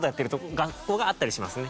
学校があったりしますね。